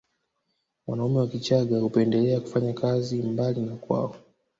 Wanaume wa Kichagga hupendelea kufanya kazi mbali na kwao